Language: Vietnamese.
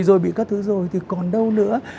rồi bị các thứ rồi thì còn đâu nữa